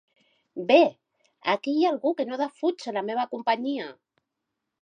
Bé, aquí hi ha algú que no defuig la meva companyia!